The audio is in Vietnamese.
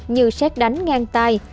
như xác đánh ngang tay